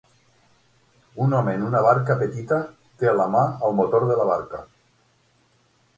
Un home en una barca petita té la mà al motor de la barca.